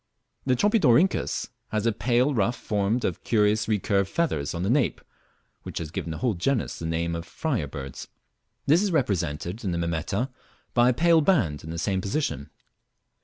The Tropidorhynchus has a pale ruff formed of curious recurved feathers on the nape (which has given the whole genus the name of Friar birds); this is represented in the Mimeta by a pale band in the same position.